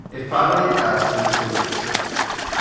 It finally passed to the Stewarts.